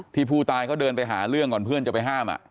ผู้ตายเขาเดินไปหาเรื่องก่อนเพื่อนจะไปห้าม